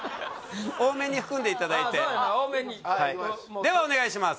多めに含んでいただいてではお願いします